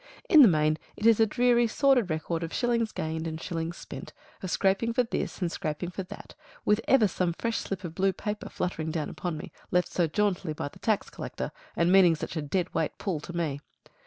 In the main, it is a dreary sordid record of shillings gained and shillings spent of scraping for this and scraping for that, with ever some fresh slip of blue paper fluttering down upon me, left so jauntily by the tax collector, and meaning such a dead weight pull to me.